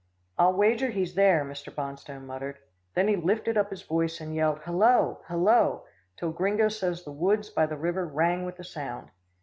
"I'll wager he's there," Mr. Bonstone muttered. Then he lifted up his voice, and yelled, "Hello! Hello!" till Gringo says the woods by the river rang with the sound.